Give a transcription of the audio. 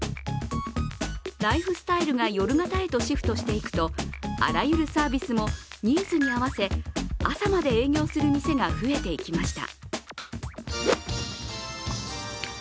ライフスタイルが夜型へとシフトしていくとあらゆるサービスもニーズに合わせ朝まで営業する店が増えていきました。